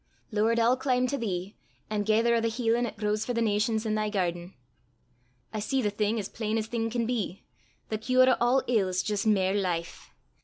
Lord, I'll clim' to thee, an' gaither o' the healin' 'at grows for the nations i' thy gairden. "I see the thing as plain 's thing can be: the cure o' a' ill 's jist mair life!